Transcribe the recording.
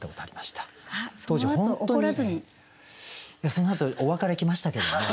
そのあとお別れ来ましたけども。